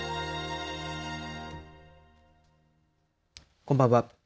こんばんは。